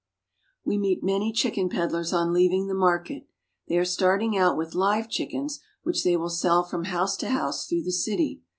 We meet many chicken peddlers on leaving the market. They are starting out with live chickens, which they will sell from house to house through the city.